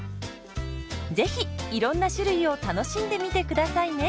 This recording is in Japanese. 是非いろんな種類を楽しんでみて下さいね。